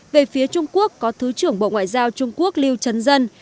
về phía trung quốc có thứ trưởng bộ ngoại giao trung quốc lưu chấn dân